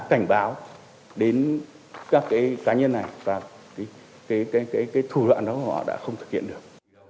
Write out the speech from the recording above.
cảnh báo đến các cái cá nhân này và cái thủ đoạn đó của họ đã không thực hiện được